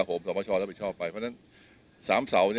ก็เป็นเรื่องของของรัฐบาลไหมอืมแต่การที่ดึงคนนอกมาอยู่กระทรวงนี้